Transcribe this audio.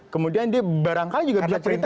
kemudian dia barangkali juga bisa cerita